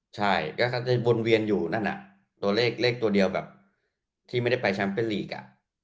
ใช่ก็จะวนเวียนอยู่นั่นตัวเลขเลขตัวเดียวแบบที่ไม่ได้ไปแชมป์เป็นลีก